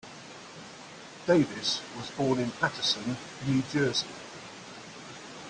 Davis was born in Paterson, New Jersey.